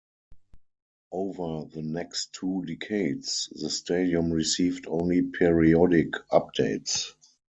Over the next two decades, the stadium received only periodic updates.